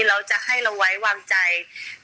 เราจะให้เราไว้วางใจ